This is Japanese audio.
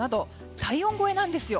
体温超えなんですよ。